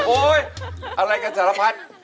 โอ๊ยอะไรกันสารพัด